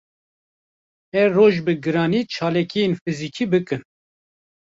Her roj bi giranî çalakiyên fizikî bikin